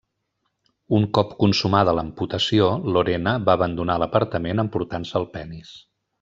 Un cop consumada l'amputació, Lorena va abandonar l'apartament emportant-se el penis.